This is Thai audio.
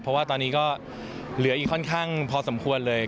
เพราะว่าตอนนี้ก็เหลืออีกค่อนข้างพอสมควรเลย